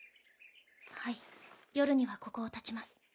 はい夜にはここを発ちます。